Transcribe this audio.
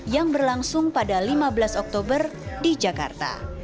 yang berlangsung pada lima belas oktober di jakarta